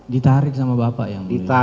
ditarik sama bapak ya mulia